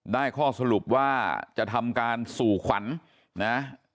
ข้อสรุปว่าจะทำการสู่ขวัญนะ